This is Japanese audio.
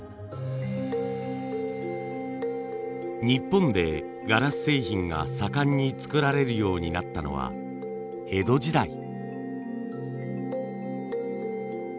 日本でガラス製品が盛んに作られるようになったのは江戸時代。